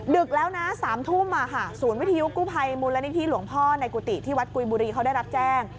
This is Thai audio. ดึกแล้วนะ๓ทุ่มศูนย์วิทยุกู้ภัยมูลนิธิหลวงพ่อในกุฏิที่วัดกุยบุรีเขาได้รับแจ้ง